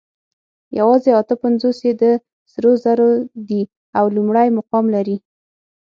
یواځې اته پنځوس یې د سرو زرو دي او لومړی مقام لري